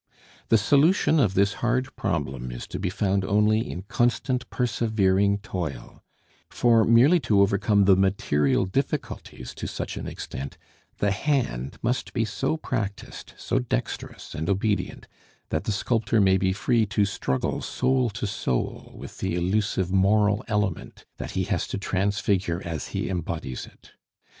The solution of this hard problem is to be found only in constant persevering toil; for, merely to overcome the material difficulties to such an extent, the hand must be so practised, so dexterous and obedient, that the sculptor may be free to struggle soul to soul with the elusive moral element that he has to transfigure as he embodies it.